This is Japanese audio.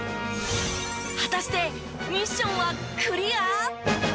果たしてミッションはクリア！？